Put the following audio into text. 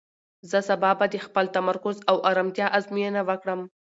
زه به سبا د خپل تمرکز او ارامتیا ازموینه وکړم.